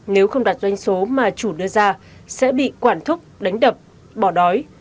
nếu không đặt doanh số mà chủ đưa ra sẽ bị quản thúc đánh đập bỏ đói